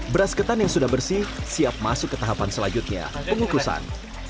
beras ketan yang sudah bersih siap masuk ke tahapan selanjutnya pengukusan